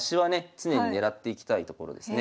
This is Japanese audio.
常に狙っていきたいところですね。